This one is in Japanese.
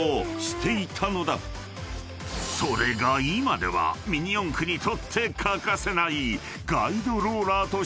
［それが今ではミニ四駆にとって欠かせない］